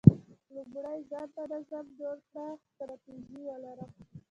لومړی ځان ته نظم جوړ کړه، ستراتیژي ولره،